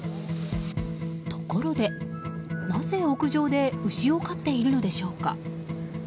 ところで、なぜ屋上で牛を飼っているのでしょうか。